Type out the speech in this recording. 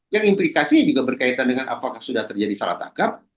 yang implikasinya juga berkaitan dengan apakah sudah terjadi salah tangkap